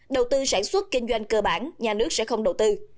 đầu tư sản xuất kinh doanh cơ bản nhà nước sẽ không đầu tư